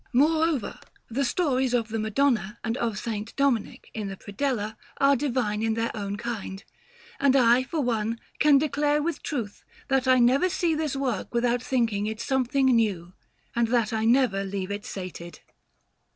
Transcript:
Moreover, the stories of the Madonna and of S. Dominic in the predella are divine in their own kind; and I, for one, can declare with truth that I never see this work without thinking it something new, and that I never leave it sated.